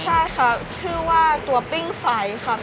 ใช่ครับชื่อว่าตัวปิ้งไฟครับ